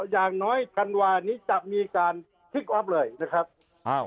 อย่างน้อยธันวานี้จะมีการพลิกออฟเลยนะครับ